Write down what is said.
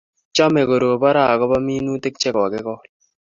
Chame koropon raa akoba minutik che kokigol